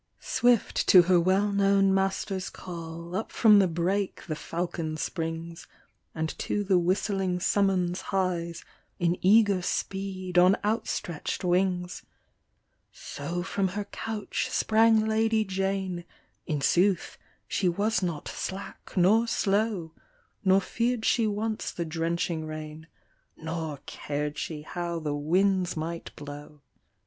*' Swift to her well known master's call, Up from the brake the falcon springs, And to the whistling summons hies, In eager speed, on outstretch'd wings. So from her conch sprang Lady Jane; In sooth, she was not slack nor slow, Nor fear'd she once the drenching rain, Nor car'd she how the winds might blow.